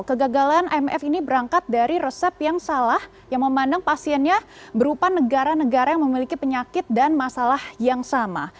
kegagalan imf ini berangkat dari resep yang salah yang memandang pasiennya berupa negara negara yang memiliki penyakit dan masalah yang sama